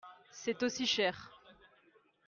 C'est aussi cher.